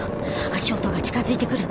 足音が近づいてくる。